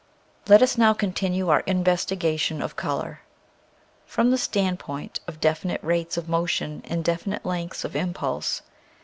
Let us now continue our investigation of color, from the standpoint of definite rates of motion and definite lengths of impulse.